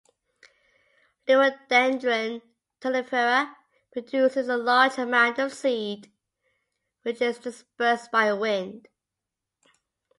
"Liriodendron tulipifera" produces a large amount of seed, which is dispersed by wind.